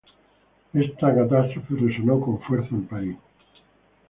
Esta catástrofe resonó con fuerza en París.